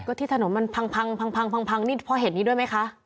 ก็ที่ถนนมันพังพังพังพังพังพังนี่พอเห็นนี่ด้วยไหมคะ